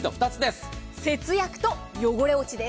節約と汚れ落ちです。